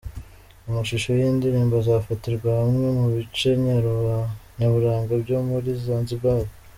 Amashusho y’iyi ndirimbo azafatirwa hamwe mu bice nyaburanga byo muri Zanzibar.